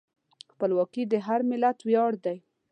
خپلواکي د هر ملت ویاړ دی.